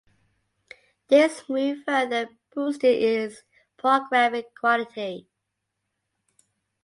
This move further boosted its programming quality.